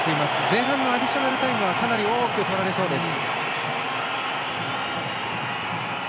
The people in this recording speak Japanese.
前半のアディショナルタイムはかなり多くとられそうです。